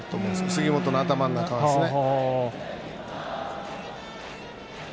杉本の頭の中はですね。